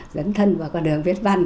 dấn thân vào con đường viết văn